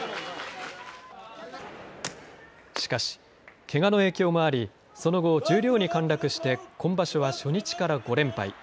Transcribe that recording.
しかし、けがの影響もありその後、十両に陥落して今場所は初日から５連敗。